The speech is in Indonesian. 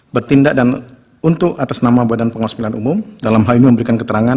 bertindak dan untuk atas nama badan pengawas pemilihan umum dalam hal ini memberikan keterangan